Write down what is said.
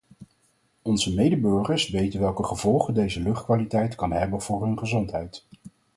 Onze medeburgers weten welke gevolgen deze luchtkwaliteit kan hebben voor hun gezondheid.